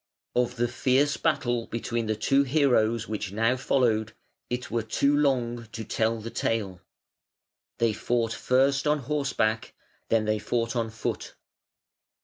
Of the fierce battle between the two heroes which now followed it were too long to tell the tale. They fought first on horseback, then they fought on foot.